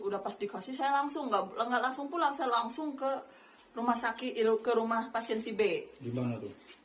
udah pasti kasih saya langsung langsung pulang saya langsung ke rumah sakit ilu ke rumah pasien si b yg